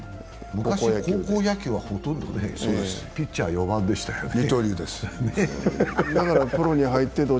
昔、高校野球はほとんどピッチャーは４番でしたよね。